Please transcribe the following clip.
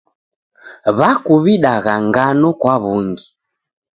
W'akuw'idagha ngano kwa w'ungi.